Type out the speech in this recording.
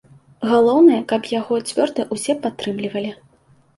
Галоўнае, каб яго цвёрда ўсе падтрымлівалі.